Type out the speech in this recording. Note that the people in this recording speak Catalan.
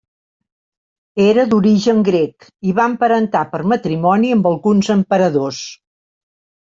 Era d'origen grec i va emparentar per matrimoni amb alguns emperadors.